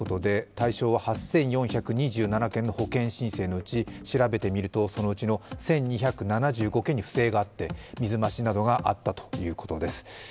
対象は８４２７件の保険申請のうち調べてみるとそのうちの１２７５件に不正があって水増しなどがあったということです。